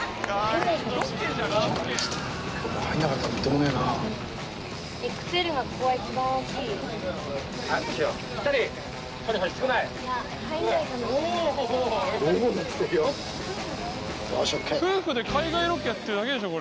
もちろん夫婦で海外ロケやってるだけでしょこれ。